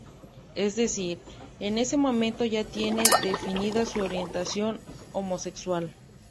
Es decir, en ese momento ya tiene definida su orientación homosexual.